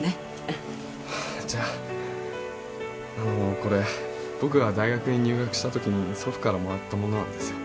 じゃああのこれ僕が大学に入学したときに祖父からもらったものなんですよ